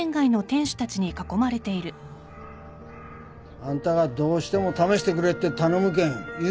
あんたがどうしても試してくれって頼むけん言う